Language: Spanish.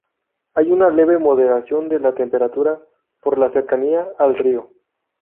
Hay una leve moderación de la temperatura por la cercanía al río.